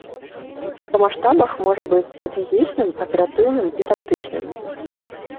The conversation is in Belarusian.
Па маштабах можа быць стратэгічным, аператыўным і тактычным.